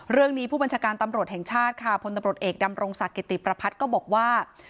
เรื่องนี้ผู้บัญชาการตำรวจแห่งชาติค่ะพลตำรวจเอกดำรงศักดิติประพัฒน์ก็บอกว่า